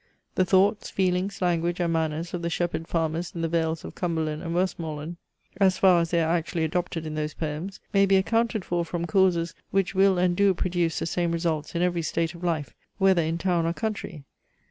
The thoughts, feelings, language, and manners of the shepherd farmers in the vales of Cumberland and Westmoreland, as far as they are actually adopted in those poems, may be accounted for from causes, which will and do produce the same results in every state of life, whether in town or country.